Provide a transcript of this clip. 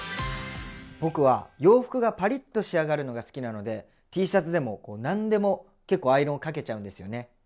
僕は洋服がパリッと仕上がるのが好きなのでＴシャツでも何でも結構アイロンかけちゃうんですよね。